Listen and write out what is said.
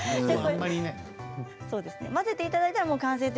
混ぜていただいたら完成です。